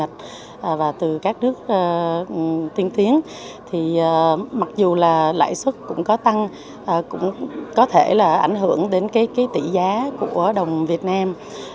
từ các nước tiên tiến mặc dù là lãi xuất cũng có tăng cũng có thể là ảnh hưởng đến tỷ giá của đồng việt nam